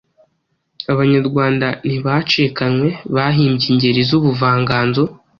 Abanyarwanda ntibacikanywe, bahimbye ingeri z’ubuvanganzo